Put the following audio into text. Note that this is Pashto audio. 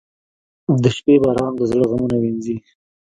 • د شپې باران د زړه غمونه وینځي.